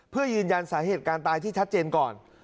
เพื่อยืนยันสาเหตุการตายที่ชัดเจนก่อน